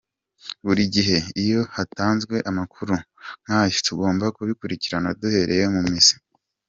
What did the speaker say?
Buri gihe iyo hatanzwe amakuru nk’aya tugomba kubikurikirana duhereye mu mizi.